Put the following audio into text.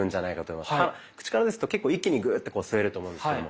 口からですと結構一気にグーッてこう吸えると思うんですけども。